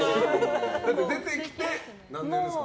出てきて何年ですか？